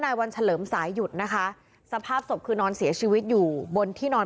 วันเฉลิมสายหยุดนะคะสภาพศพคือนอนเสียชีวิตอยู่บนที่นอน